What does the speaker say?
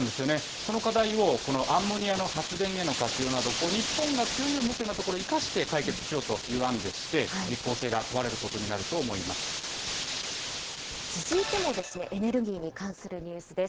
その課題を、このアンモニアの発電への活用など、日本が強みを持つようなところ、生かして解決しようという案でして、実効性が問われるこ続いてもエネルギーに関するニュースです。